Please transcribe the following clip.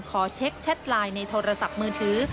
ขอเช็คแชทไลน์ในโทรศัพท์มือถือ